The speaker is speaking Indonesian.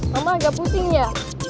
mama agak pusing ya